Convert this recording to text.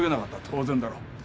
当然だろ。